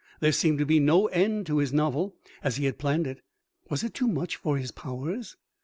There seemed to be no end to his novel as he had planned it. Was it too much for his powers?